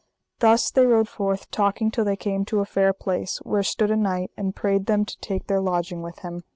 Thus they rode forth talking till they came to a fair place, where stood a knight, and prayed them to take their lodging with him.